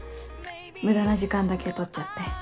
無駄な時間だけとっちゃって。